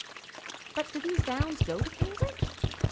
But do these downs go to Cambridge?